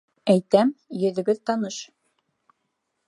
Әйтәм, йөҙөгөҙ таныш.